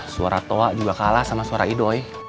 suara toa juga kalah sama suara i doi